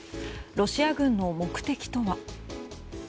ロシア軍の目的とは。